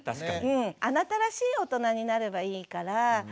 あなたらしい大人になればいいから。